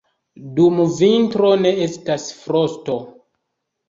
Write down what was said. Dum vintro ne estas frosto.